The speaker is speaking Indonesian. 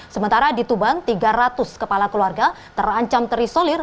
sementara di tuban tiga ratus kepala keluarga terancam terisolir